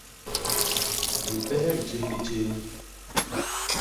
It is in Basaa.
Libehek jés li tjéé.